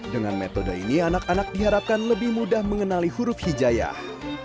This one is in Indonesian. dengan metode ini anak anak diharapkan lebih mudah mengenali huruf hijayah